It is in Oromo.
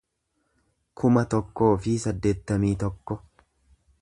kuma tokkoo fi saddeettamii tokko